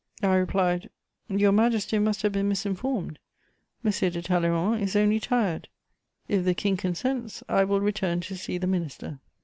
I replied: "Your Majesty must have been misinformed; M. de Talleyrand is only tired. If the King consents, I will return to see the minister."